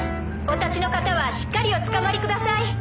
お立ちの方はしっかりおつかまりください。